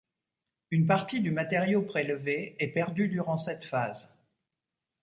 Une partie du matériau prélevé est perdu durant cette phase.